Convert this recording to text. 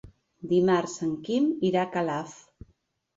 Dimarts en Quim irà a Calaf.